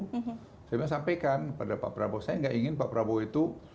saya bilang sampaikan pada pak prabowo saya nggak ingin pak prabowo itu